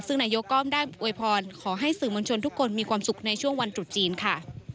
ซึ่งนายกก็ได้อวยพรขอให้สื่อมวลชนทุกคนมีความสุขในช่วงวันตรุษจีนค่ะ